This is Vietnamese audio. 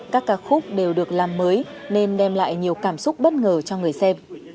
các ca khúc đều được làm mới nên đem lại nhiều cảm xúc bất ngờ cho người xem